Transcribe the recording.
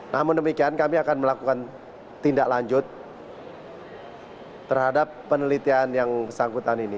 namun demikian kami akan melakukan tindak lanjut terhadap penelitian yang bersangkutan ini